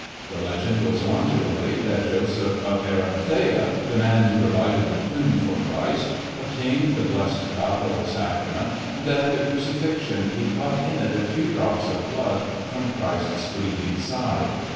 The legend goes on to relate that Joseph of Arimathea, the man who provided a tomb for Christ, obtained the blessed cup of the sacrament, and that at the crucifixion he caught in it a few drops of blood from Christ's bleeding side.